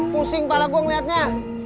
pusing kepala gue ngelihatnya